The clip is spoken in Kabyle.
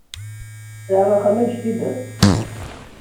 Sɛiɣ axxam annect-ilat.